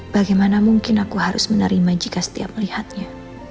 bagaimana mungkin aku harus menerima jika setiap melihatnya